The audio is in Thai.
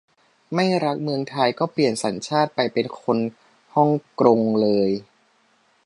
ไม่รักเมืองไทย ก็เปลี่ยนสัญชาติไปเป็นคนห้องกรงเลย !